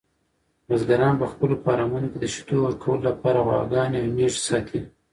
بزګران په خپلو فارمونو کې د شیدو ورکولو لپاره غواګانې او میږې ساتي.